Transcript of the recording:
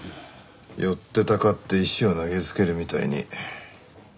寄ってたかって石を投げつけるみたいに。